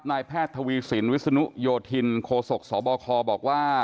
นายแพทย์ทวีสินวิศนุโยธินโคศกสบคบอกว่า